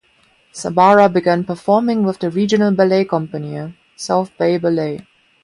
Sabara began performing with the regional ballet company, South Bay Ballet.